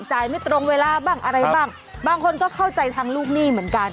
ไม่ตรงเวลาบ้างอะไรบ้างบางคนก็เข้าใจทางลูกหนี้เหมือนกัน